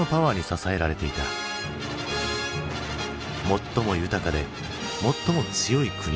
最も豊かで最も強い国。